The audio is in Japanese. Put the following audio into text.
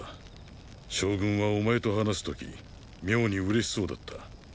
将軍はお前と話す時妙に嬉しそうだった。